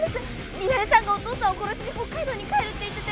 ミナレさんがお父さんを殺しに北海道に帰るって言ってて。